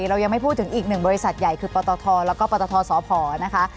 เรายังไม่พูดถึงอีกหนึ่งบริษัทใหญ่คือปตทแล้วก็ปตทสพนะคะ